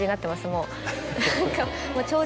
もう。